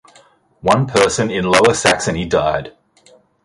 One person in Lower Saxony died.